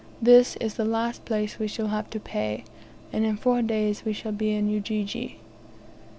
This is the last place we shall have to pay. And in four days we shall be in Ujiji."